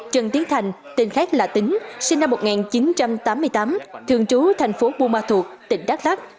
trần tiến thành tên khác là tính sinh năm một nghìn chín trăm tám mươi tám thường trú thành phố buma thuộc tỉnh đắk lắc